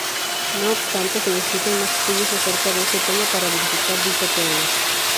No obstante, se necesitan más estudios acerca de ese tema para verificar dicha teoría.